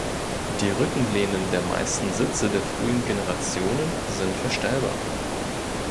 Die Rückenlehnen der meisten Sitze der frühen Generationen sind verstellbar.